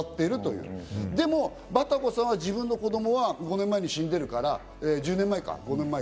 でもバタコさんは自分の子供は５年前に死んでるから１０年前か？